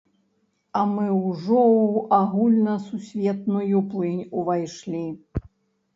А мы ўжо ў агульнасусветную плынь увайшлі.